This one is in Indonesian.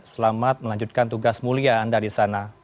selamat melanjutkan tugas mulia anda di sana